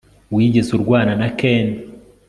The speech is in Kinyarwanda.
wigeze urwana na ken